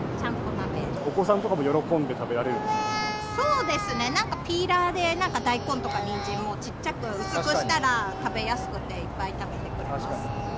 お子さんとかも喜んで食べらそうですね、なんかピーラーで、なんか大根とかにんじんもちっちゃく薄くしたら食べやすくていっぱい食べてくれます。